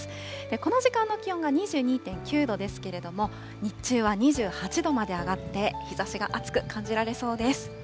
この時間の気温が２２．９度ですけれども、日中は２８度まで上がって、日ざしが暑く感じられそうです。